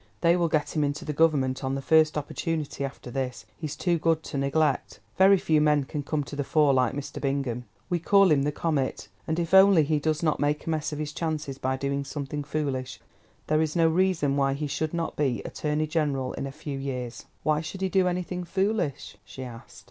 "They will get him into the Government on the first opportunity after this; he's too good to neglect. Very few men can come to the fore like Mr. Bingham. We call him the comet, and if only he does not make a mess of his chances by doing something foolish, there is no reason why he should not be Attorney General in a few years." "Why should he do anything foolish?" she asked.